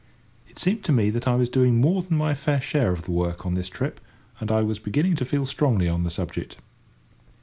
It seemed to me that I was doing more than my fair share of the work on this trip, and I was beginning to feel strongly on the subject.